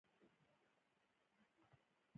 هلمند سیند د افغانستان د ټولنې لپاره بنسټيز دی.